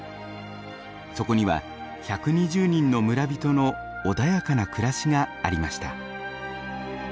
そこには１２０人の村人の穏やかな暮らしがありました。